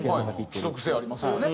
規則性ありますよね。